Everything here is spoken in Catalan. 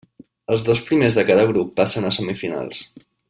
Els dos primers de cada grup passen a semifinals.